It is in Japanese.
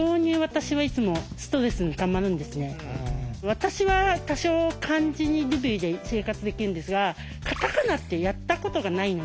私は多少漢字にルビで生活できるんですがカタカナってやったことがないので